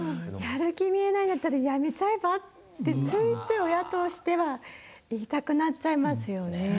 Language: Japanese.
やる気見えないんだったらやめちゃえばってついつい親としては言いたくなっちゃいますよね。